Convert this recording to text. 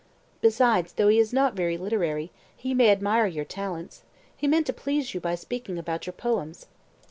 Besides, though he is not very literary, he may admire your talents. He meant to please you by speaking about your poems."